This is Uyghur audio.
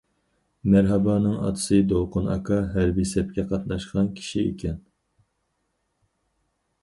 مەرھابانىڭ ئاتىسى دولقۇن ئاكا ھەربىي سەپكە قاتناشقان كىشى ئىكەن.